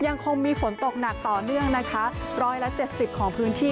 ยังคงมีฝนตกหนักต่อเนื่องนะคะ๑๗๐ของพื้นที่